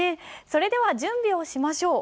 それでは準備をしましょう。